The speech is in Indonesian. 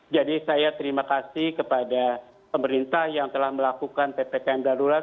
jadi saya terima kasih kepada pemerintah yang telah melakukan ppkm darurat